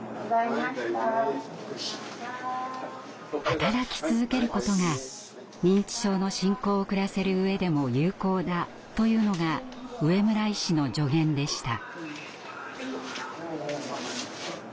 働き続けることが認知症の進行を遅らせる上でも有効だというのが植村医師の助言でした。